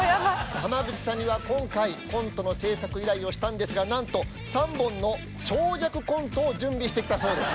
浜口さんには今回コントの制作依頼をしたんですがなんと３本の長尺コントを準備してきたそうです。